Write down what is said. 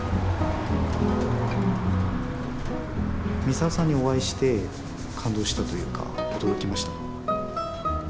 ミサオさんにお会いして感動したというか驚きました。